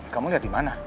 kamu lihat dimana